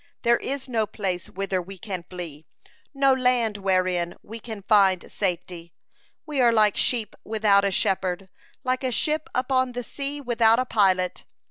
There is no place whither we can flee, no land wherein we can find safety. We are like sheep without a shepherd, like a ship upon the sea without a pilot.